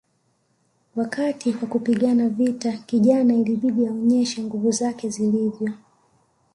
Wakati wa kupigana vita kijana ilibidi aonyeshe nguvu zake zilivyo